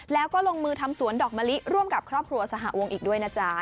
แล้วก็ลงมือทำสวนดอกมะลิร่วมกับครอบครัวสหวงอีกด้วยนะจ๊ะ